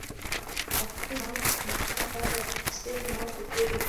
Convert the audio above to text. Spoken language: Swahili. Hakuna madhara ya kusema ukweli